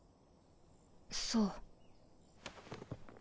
そう。